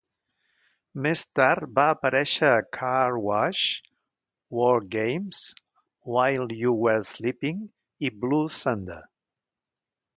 Més tard va aparèixer a Car Wash, WarGames, While You Were Sleeping, i Blue Thunder.